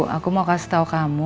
aku mau kasih tahu kamu